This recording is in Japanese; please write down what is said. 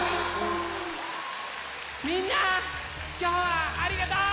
みんなきょうはありがとう！